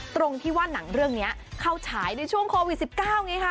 ตรงที่ว่าหนังเรื่องนี้เข้าฉายในช่วงโควิด๑๙ไงคะ